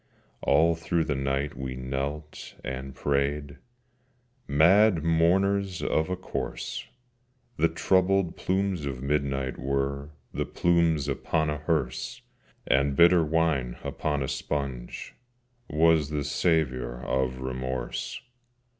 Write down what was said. All through the night we knelt and prayed, Mad mourners of a corse! The troubled plumes of midnight were The plumes upon a hearse: And bitter wine upon a sponge Was the savour of Remorse.